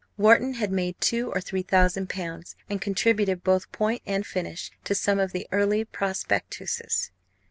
Wharton had made two or three thousand pounds, and contributed both point and finish to some of the early prospectuses.